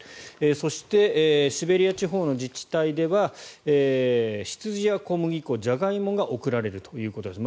そしてシベリア地方の自治体では羊や小麦粉、ジャガイモが贈られるということです。